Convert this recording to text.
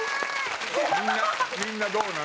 みんなどうなの？